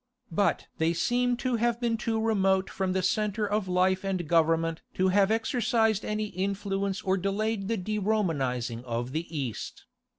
But they seem to have been too remote from the centre of life and government to have exercised any influence or delayed the de Romanizing of the East.